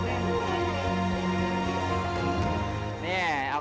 ก็ยังมีปัญหาราคาเข้าเปลือกก็ยังลดต่ำลง